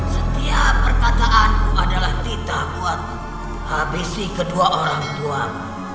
setiap perkataanku adalah titah buat habisi kedua orang tuaku